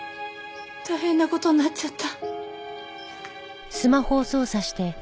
大変な事になっちゃった。